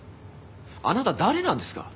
あなた誰なんですか？